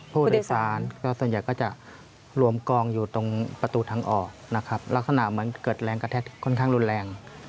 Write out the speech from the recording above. ผู้โดยสารก็ส่วนใหญ่ก็จะรวมกองอยู่ตรงประตูทางออกนะครับลักษณะเหมือนเกิดแรงกระแทกค่อนข้างรุนแรง